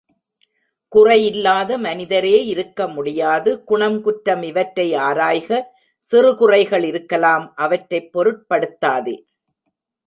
குறை இல்லாத மனிதரே இருக்க முடியாது குணம் குற்றம் இவற்றை ஆராய்க சிறு குறைகள் இருக்கலாம் அவற்றைப் பொருட்படுத்தாதே.